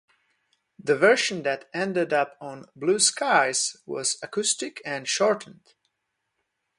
The version that ended up on "Blue Skies" was acoustic and shortened.